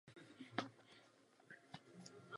Édouard Philippe se narodil v Rouenu v Normandii.